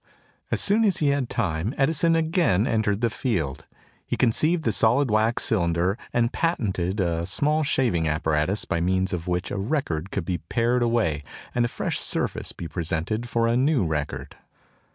As soon as he had time Edison again entered the field. He conceived the solid wax cylinder, and patented a small shaving apparatus by means of which a record could be pared away and a fresh surface be presented for a new record.